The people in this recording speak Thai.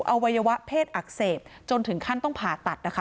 อวัยวะเพศอักเสบจนถึงขั้นต้องผ่าตัดนะคะ